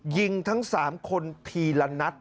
ยิงทั้ง๓คนทีละนัด